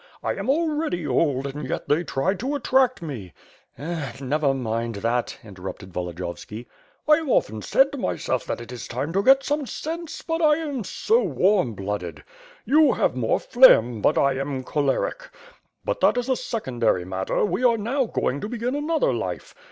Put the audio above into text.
I am already old and yet they try to attract me ...^* "Eh! never mind that,^^ interrupted Volodiyovski. "I have often said to myself that it is time to get some sense; but I am so warm blooded. You have more phlegm, but I am choleric. But that is a secondary matter, we are now going to begin another life.